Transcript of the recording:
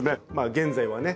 現在はね